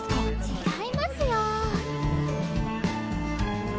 違いますよ。